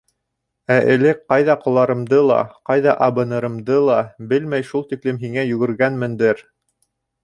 Ә элек ҡайҙа ҡоларымды ла, ҡайҙа абынырымды ла белмәй шул тиклем ниңә йүгергәнмендер...